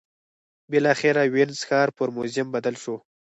بالاخره وینز ښار پر موزیم بدل شو